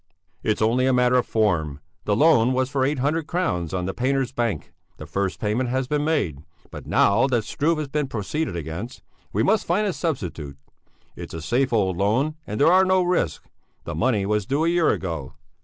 "It's only a matter of form; the loan was for eight hundred crowns on the Painters' Bank; the first payment has been made, but now that Struve has been proceeded against, we must find a substitute. It's a safe old loan and there are no risks; the money was due a year ago."